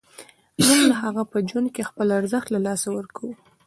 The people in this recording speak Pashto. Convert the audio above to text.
موږ د هغه په ژوند کې خپل ارزښت له لاسه ورکوو.